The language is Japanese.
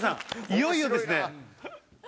いよいよですね。